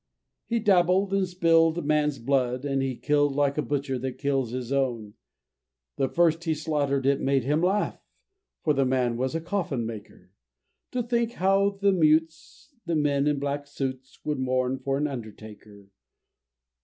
He dabbled and spill'd man's blood, and he kill'd Like a butcher that kills his own. The first he slaughter'd, it made him laugh, (For the man was a coffin maker,) To think how the mutes, and men in black suits, Would mourn for an undertaker.